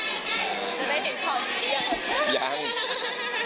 เพราะคือน้องก็เป็นครอบครัวเรา